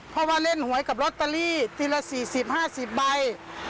เพราะว่าเล่นหวยกับลอตเตอรี่ทีละ๔๐๕๐ใบ